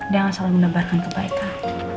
dia nggak selalu mendebarkan kebaikan